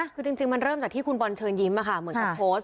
คือจริงมันเริ่มจากที่คุณบอลเชิญยิ้มเหมือนกับโพสต์